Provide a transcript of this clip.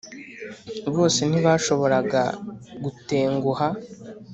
bose ntibashoboraga gutenguha;